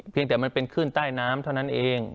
แต่มันเป็นขึ้นใต้น้ำเท่านั้นเอง